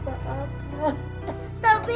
itu masih ada sisanya